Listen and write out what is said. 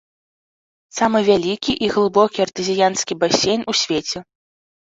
Самы вялікі і глыбокі артэзіянскі басейн у свеце.